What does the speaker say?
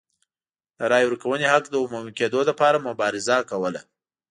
د رایې ورکونې حق د عمومي کېدو لپاره مبارزه کوله.